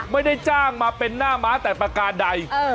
ไม่ได้จ้างมาเป็นหน้าม้าแต่ประการใด